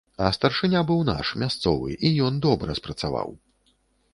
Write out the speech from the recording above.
А старшыня быў наш, мясцовы, і ён добра спрацаваў.